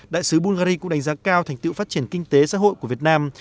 đại sứ bungary cũng đánh giá cao thành tựu phát triển kinh tế xã hội của việt nam